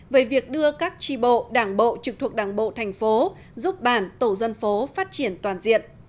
về việc đưa các tri bộ đảng bộ trực thuộc đảng bộ thành phố giúp bản tổ dân phố phát triển toàn diện